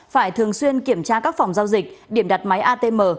phải thường xuyên kiểm tra các phòng giao dịch điểm đặt máy atm